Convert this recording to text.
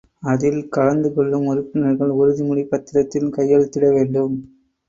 அதில் கலந்து கொள்ளும் உறுப்பினர்கள் உறுதிமொழிப் பத்திரத்தில் கையெழுத்திட வேண்டும்.